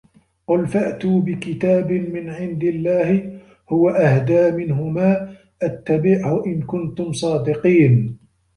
قُل فَأتوا بِكِتابٍ مِن عِندِ اللَّهِ هُوَ أَهدى مِنهُما أَتَّبِعهُ إِن كُنتُم صادِقينَ